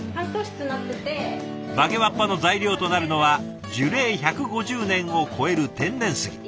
曲げわっぱの材料となるのは樹齢１５０年を超える天然杉。